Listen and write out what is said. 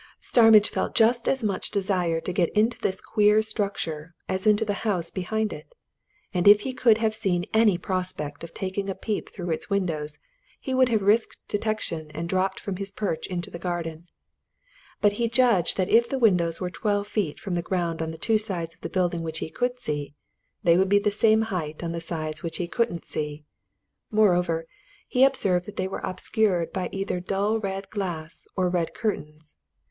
Starmidge felt just as much desire to get inside this queer structure as into the house behind it, and if he could have seen any prospect of taking a peep through its windows he would have risked detection and dropped from his perch into the garden. But he judged that if the windows were twelve feet from the ground on the two sides of the building which he could see, they would be the same height on the sides which he couldn't see; moreover, he observed that they were obscured by either dull red glass or red curtains.